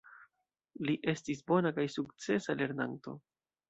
Li estis bona kaj sukcesa lernanto.